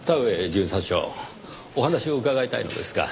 巡査長お話を伺いたいのですが。